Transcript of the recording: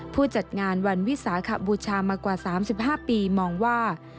ผู้จัดงานวันวิสาขบูชามากว่า๓๕ปีมองว่า